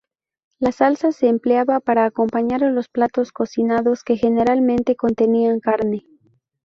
La salsa se empleaba para acompañar a los platos cocinados que generalmente contenían carne.